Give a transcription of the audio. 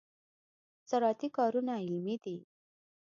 زراعتي کارونه علمي دي.